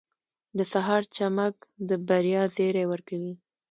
• د سهار چمک د بریا زیری ورکوي.